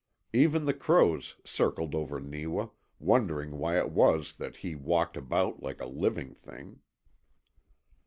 Even the crows circled over Neewa, wondering why it was that he walked about like a living thing.